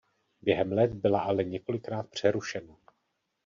Během let byla ale několikrát přerušena.